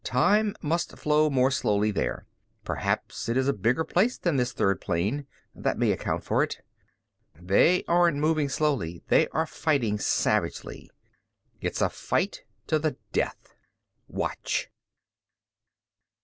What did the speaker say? Time must flow more slowly there. Perhaps it is a bigger place than this third plane. That may account for it. They aren't moving slowly, they are fighting savagely. It's a fight to the death! Watch!"